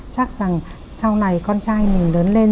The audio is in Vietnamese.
chắc rằng sau này con trai mình lớn lên